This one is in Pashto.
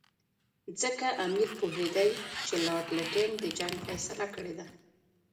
ځکه امیر پوهېدی چې لارډ لیټن د جنګ فیصله کړې ده.